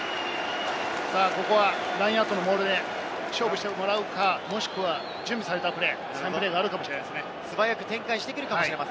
ここはラインアウトのモールで勝負してもらうか、もしくは準備されたプレー、サインプレーがあるかもしれません。